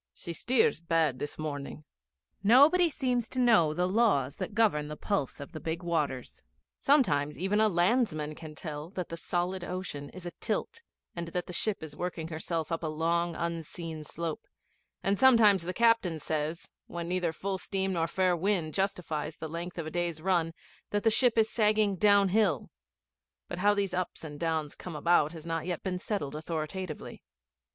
She steers bad this morning.' Nobody seems to know the laws that govern the pulse of the big waters. Sometimes even a landsman can tell that the solid ocean is atilt, and that the ship is working herself up a long unseen slope; and sometimes the captain says, when neither full steam nor fair wind justifies the length of a day's run, that the ship is sagging downhill; but how these ups and downs come about has not yet been settled authoritatively.